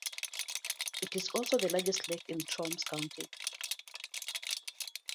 It is also the largest lake in Troms county.